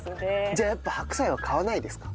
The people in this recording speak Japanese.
じゃあやっぱ白菜は買わないですか？